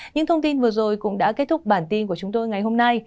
những thông tin vừa rồi cũng đã kết thúc bản tin của chúng tôi ngày hôm nay